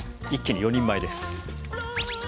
一気に４人前です。